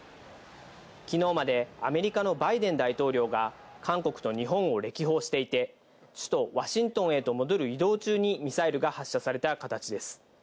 昨日までアメリカのバイデン大統領が韓国と日本を歴訪していて、首都ワシントンへと戻る移動中にミサイルが発射された形です。